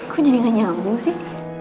aku jadi gak nyambung sih